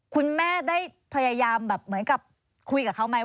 คุณแม่ได้พยายามแบบเหมือนกับคุยกับเขาไหม